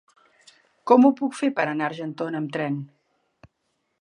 Com ho puc fer per anar a Argentona amb tren?